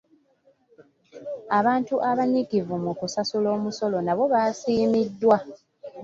Abantu abanyiikivu mu kusasula omusolo nabo baasiimiddwa.